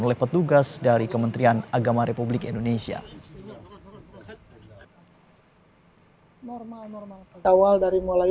oleh petugas dari kementerian agama republik indonesia normal normal awal dari mulai